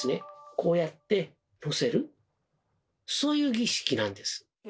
こうやってのせるそういう儀式なんです。